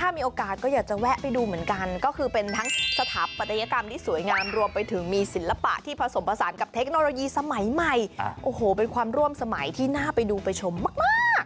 ถ้ามีโอกาสก็อยากจะแวะไปดูเหมือนกันก็คือเป็นทั้งสถาปัตยกรรมที่สวยงามรวมไปถึงมีศิลปะที่ผสมผสานกับเทคโนโลยีสมัยใหม่โอ้โหเป็นความร่วมสมัยที่น่าไปดูไปชมมาก